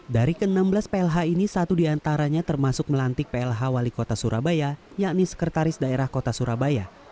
dari ke enam belas plh ini satu diantaranya termasuk melantik plh wali kota surabaya yakni sekretaris daerah kota surabaya